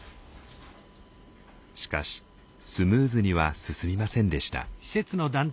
しかしスムーズには進みませんでした。